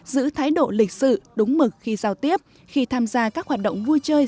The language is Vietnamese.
giữ thái độ lịch sự đúng mực khi giao tiếp khi tham gia các hoạt động vui chơi